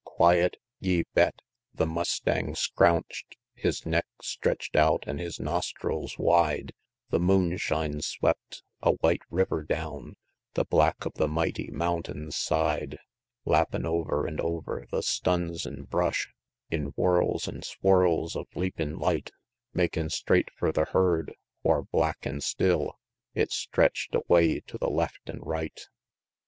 XXVII. Quiet? Ye bet! The mustang scrounch'd, His neck stretch'd out an' his nostrils wide, The moonshine swept, a white river down, The black of the mighty mountain's side, Lappin' over an' over the stuns an' brush In whirls an' swirls of leapin' light, Makin' straight fur the herd, whar black an' still, It stretch'd away to the left an' right XXVIII.